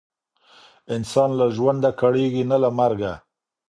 انسان له ژونده کړیږي نه له مرګه.